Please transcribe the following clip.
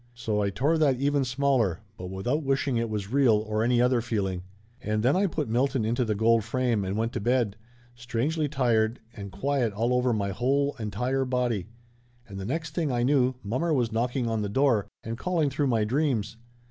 So I tore that even smaller, but without wishing it was real, or any other feeling. And then I put Milton into the gold frame and went to bed, strangely tired and 248 Laughter Limited quiet all over my whole entire body. And the next thing I knew, mommer was knocking on the door and calling through my dreams.